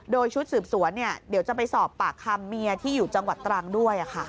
โดยชุดสืบสวนเดี๋ยวจะไปสอบปากคำเมียที่อยู่จังหวัดตรังด้วย